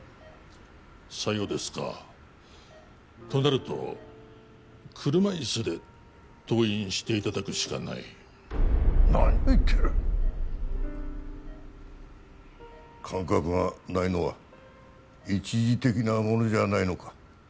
さようですかとなると車いすで登院していただくしかない何を言ってる感覚がないのは一時的なものじゃないのか？